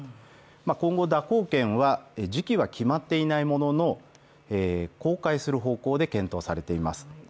今後、蛇行剣は、時期は決まっていないものの、公開する方向で検討されています。